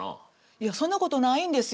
いやそんなことないんですよ。